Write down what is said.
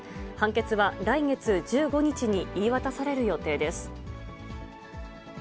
判決は、来月１５日に言い渡される予定です。